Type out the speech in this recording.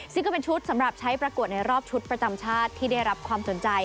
ซึ่งก็เป็นชุดสำหรับใช้ประกวดในรอบชุดประจำชาติที่ได้รับความสนใจ